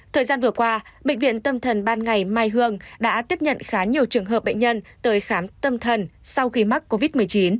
thời gian vừa qua bệnh viện tâm thần ban ngày mai hương đã tiếp nhận khá nhiều trường hợp bệnh nhân tới khám tâm thần sau khi mắc covid một mươi chín